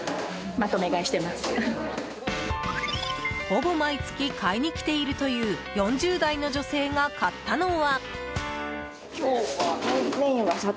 ほぼ毎月買いに来ているという４０代の女性が買ったのは。